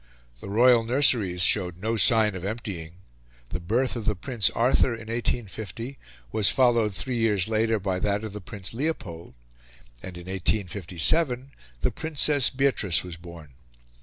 The royal nurseries showed no sign of emptying. The birth of the Prince Arthur in 1850 was followed, three years later, by that of the Prince Leopold; and in 1857 the Princess Beatrice was born.